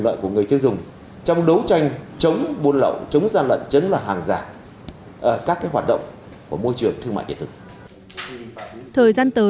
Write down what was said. đối với các trang như facebook youtube